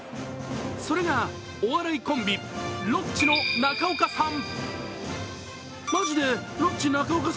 それが、お笑いコンビ・ロッチの中岡さん。